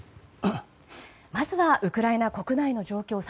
まずはウクライナ国内の状況